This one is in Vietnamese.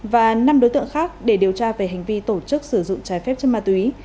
và năm đối tượng khác để điều tra về hành vi tổ chức sử dụng trái phép chất ma túy